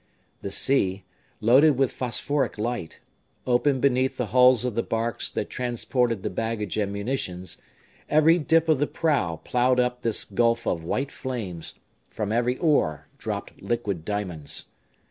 The sea, loaded with phosphoric light, opened beneath the hulls of the barks that transported the baggage and munitions; every dip of the prow plowed up this gulf of white flames; from every oar dropped liquid diamonds.